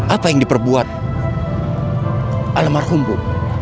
apa yang diperbuat almarhum bu